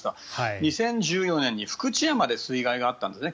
２０１４年の京都の福知山で被害があったんですね。